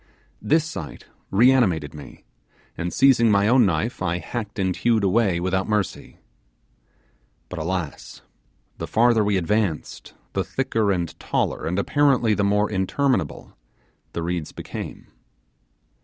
This sight reanimated me; and seizing my own knife, I hacked and hewed away without mercy. But alas! the farther we advanced the thicker and taller, and apparently the more interminable, the reeds became.